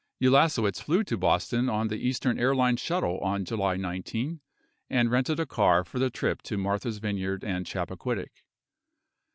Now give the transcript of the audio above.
Ulasewicz flew to Boston on the Eastern Airlines shuttle on July 19 and rented a car for the trip to Martha's Vineyard and Chappaquiddick.